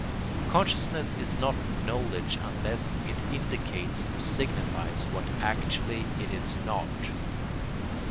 Consciousness is not knowledge unless it indicates or signifies what actually it is not.